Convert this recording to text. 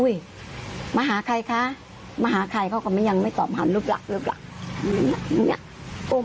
อุ้ยมาหาใครคะมาหาใครเขาก็ยังไม่ตอบหันรูปหลักรูปหลัก